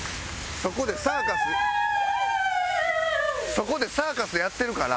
そこでサーカスやってるから。